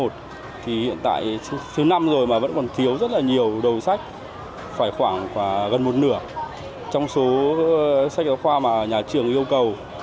thì hiện tại thứ năm rồi mà vẫn còn thiếu rất là nhiều đầu sách phải khoảng gần một nửa trong số sách giáo khoa mà nhà trường yêu cầu